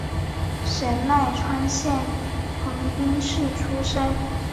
神奈川县横滨市出身。